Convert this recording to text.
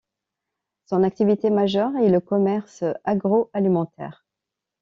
Son activité majeure est le commerce agro-alimentaire.